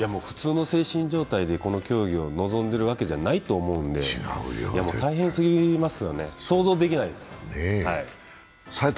普通の精神状態で競技に臨んでいるわけじゃないと思うので大変すぎますよね、想像できないです。